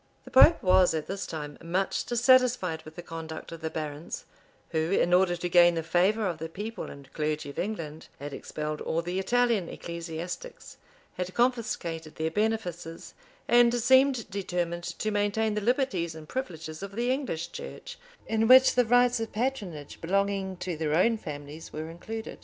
The pope was at this time much dissatisfied with the conduct of the barons; who, in order to gain the favor of the people and clergy of England, had expelled all the Italian ecclesiastics, had confiscated their benefices, and seemed determined to maintain the liberties and privileges of the English church, in which the rights of patronage belonging to their own families were included.